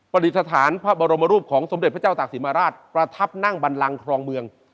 ปฏิสถานพระบรมรูปของสมเด็จพระเจ้าตากศิลมาราชประทับนั่งบันลังครองเมือง